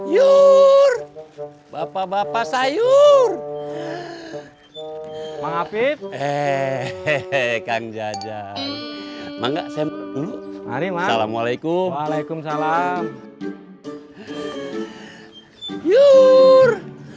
yur bapak bapak sayur mengapit eh kang jajan manga semuanya nama alaikum alaikum salam yur